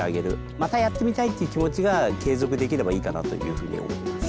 またやってみたいっていう気持ちが継続できればいいかなというふうに思ってます。